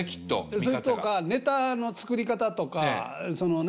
それとかネタの作り方とかそのね